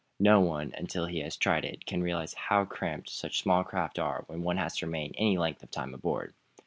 No one, until he has tried it, can realize how cramped such small craft are when one has to remain any length of time aboard.